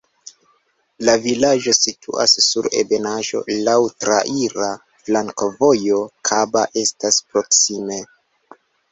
La vilaĝo situas sur ebenaĵo, laŭ traira flankovojo, Kaba estas proksime.